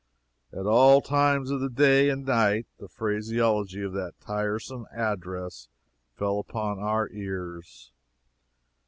At all times of the day and night the phraseology of that tiresome address fell upon our ears.